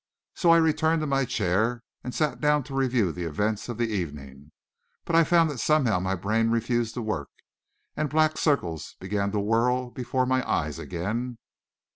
So I returned to my chair and sat down to review the events of the evening; but I found that somehow my brain refused to work, and black circles began to whirl before my eyes again.